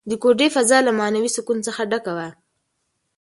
د کوټې فضا له معنوي سکون څخه ډکه وه.